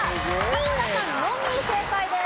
迫田さんのみ正解です。